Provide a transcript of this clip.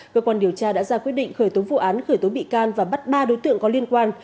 cơ quan điều tra đã ra quyết định khởi tố vụ án khởi tố bị can và bắt ba đối tượng có liên quan